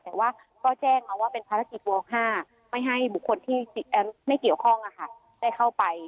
แต่ว่าก็แจ้งมาว่าเป็นภารกิจว๕ไม่ให้บุคคลที่ไม่เกี่ยวข้องได้เข้าไป